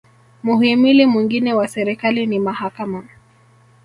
muhimili mwingine wa serikali ni mahakama